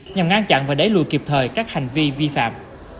nhằm ngăn chặn và đẩy lùi kịp thời các hành vi vi phạm